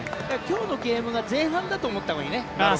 だから今日のゲームが前半だと思ったほうがいいね。